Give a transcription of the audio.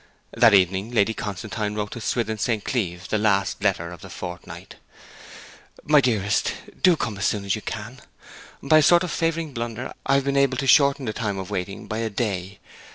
That evening Lady Constantine wrote to Swithin St. Cleeve the last letter of the fortnight: 'MY DEAREST, Do come to me as soon as you can. By a sort of favouring blunder I have been able to shorten the time of waiting by a day.